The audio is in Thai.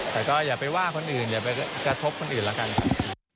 แต่ก็อย่าไปว่าคนอื่นอย่าไปกระทบคนอื่นแล้วกันครับ